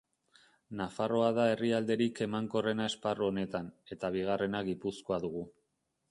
Nafarroa da herrialderik emankorrena esparru honetan, eta bigarrena Gipuzkoa dugu.